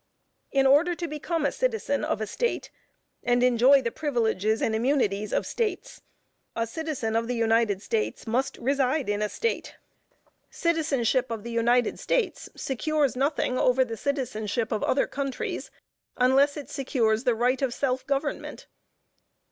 In order to become a citizen of a State, and enjoy the privileges and immunities of States, a citizen of the United States must reside in a State. Citizenship of the United States secures nothing over the citizenship of other countries, unless it secures the right of self government.